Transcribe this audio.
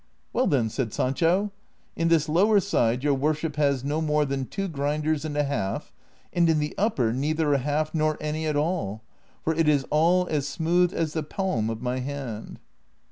" Well, then," said Sancho, " in this lower side your worship has no more than two grinders and a half, and in the upper neither a half nor any at all, for it is all as smooth as the palm of my hand."